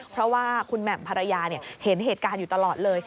เพราะว่าคุณแหม่มภรรยาเห็นเหตุการณ์อยู่ตลอดเลย